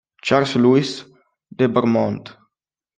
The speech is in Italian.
Charles Louis de Beaumont